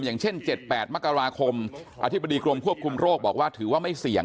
อย่างเช่น๗๘มกราคมอธิบดีกรมควบคุมโรคบอกว่าถือว่าไม่เสี่ยง